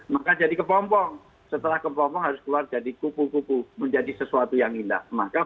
maka jadi kepompong setelah kempopong harus keluar jadi kupu kupu menjadi sesuatu yang indah maka